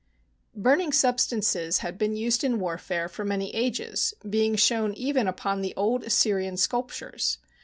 Burning substances had been used in warfare for many ages, being shown even upon the old Assyrian sculptures.